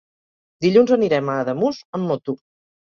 Dilluns anirem a Ademús amb moto.